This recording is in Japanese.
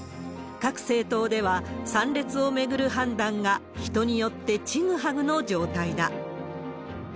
各政党では、参列を巡る判断が、人によってちぐはぐの状態だ。